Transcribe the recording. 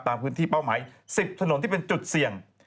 พื้นที่เป้าหมาย๑๐ถนนที่เป็นจุดเสี่ยง